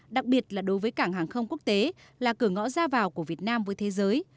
đặc biệt là đối với cảng hàng không quốc tế là cửa ngõ ra vào của việt nam với thế giới